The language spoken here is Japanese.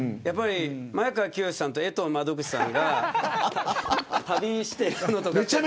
前川清さんとえとう窓口さんが旅しているのとか。